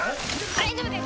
大丈夫です